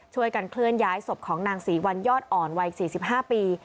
ช่วยกันเคลื่อนย้ายศพของนางศรีวัลยอดอ่อนวัย๔๕ปี